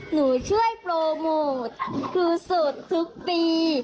หนูช่วยโปรโมทคือโสดทุกปี